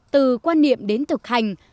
từ quan niệm đến thực hành